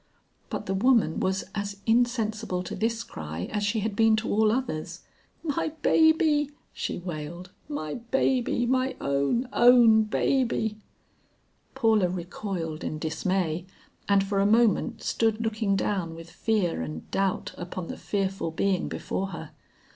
But the woman was as insensible to this cry as she had been to all others. "My baby," she wailed, "my baby, my own, own baby!" Paula recoiled in dismay, and for a moment stood looking down with fear and doubt upon the fearful being before her.